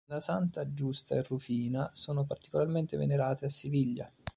Le sante Giusta e Rufina sono particolarmente venerate a Siviglia.